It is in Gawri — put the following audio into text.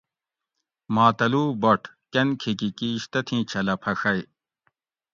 ماتلو بٹ کن کھیکی کیش تتھیں چھلہ پھڛئ